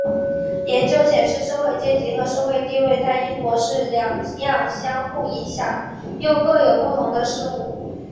研究显示社会阶级和社会地位在英国是两样相互影响又各有不同的事物。